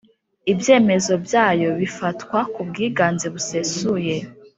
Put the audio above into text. Ibyemezo byayo bifatwa ku bwiganze busesuye